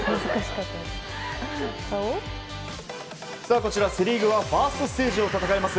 こちら、セ・リーグはファーストステージを戦います